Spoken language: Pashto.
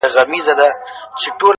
ما د دريم ژوند وه اروا ته سجده وکړه ـ